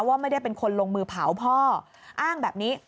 ว่าไม่ได้เป็นคนลงมือเผาพ่ออ้างแบบนี้